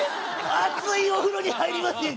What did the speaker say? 熱いお風呂に入りませんか？